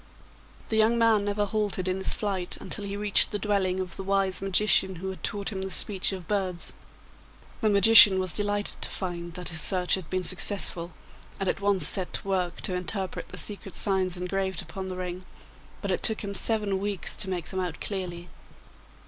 The young man never halted in his flight until he reached the dwelling of the wise magician who had taught him the speech of birds. The magician was delighted to find that his search had been successful, and at once set to work to interpret the secret signs engraved upon the ring, but it took him seven weeks to make them out clearly.